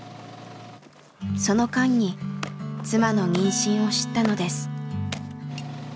その間に妻の妊娠を知ったのです。